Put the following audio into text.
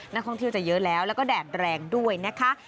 นักท่องเที่ยวจะเยอะแล้วแล้วก็แดดแรงด้วยนะคะ